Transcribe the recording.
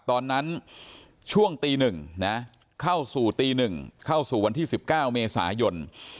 ตอนนั้นช่วงตี๑นะเข้าสู่ตี๑เข้าสู่วันที่๑๙เมษายน